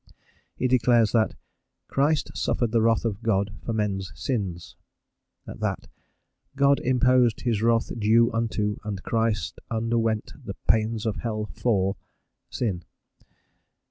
He declares that "Christ suffered the wrath of God for men's sins;" that "God imposed his wrath due unto, and Christ underwent the pains of hell for," sin.